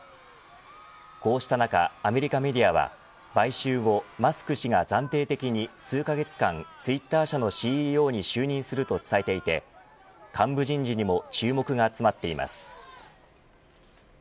こうした中、アメリカメディアは買収後、マスク氏が暫定的に数カ月間ツイッター社のＣＥＯに就任すると伝えていて幹部人事にも注目が集まっています。